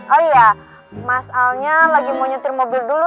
oh iya mas alnya lagi mau nyetir mobil dulu